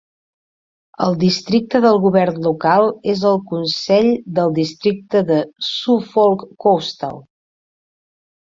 El districte del govern local és el consell del districte de Suffolk Coastal.